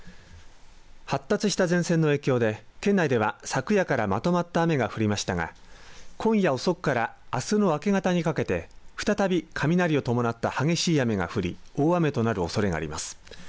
発達した前線の影響で、県内では昨夜からまとまった雨が降りましたが今夜遅くからあすの明け方にかけて再び雷を伴った激しい雨が降り大雨となるおそれがあります。